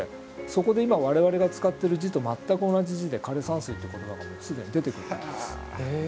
そこで今我々が使ってる字と全く同じ字で枯山水って言葉がもう既に出てくるんです。